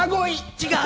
違う！